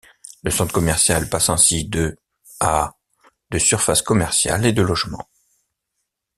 Le centre commercial passe ainsi de à de surface commercial et de logements.